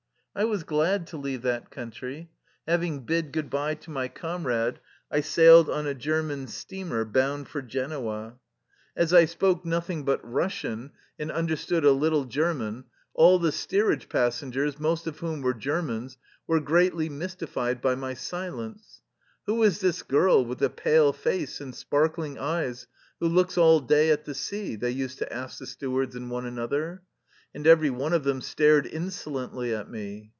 I was glad to leave that country. Having bid good by to my comrade, I sailed on a German steamer bound for Genoa. As I spoke nothing 249 THE LIFE STORY OF A RUSSIAN EXILE but Russian — but understood a little German — all the steerage passengers, most of whom were Germans, were greatly mystified by my si lence. " Who is this girl with the pale face and sparkling eyes who looks all day at the sea? " they used to ask the stewards and one another. And every one of them stared insolently at me.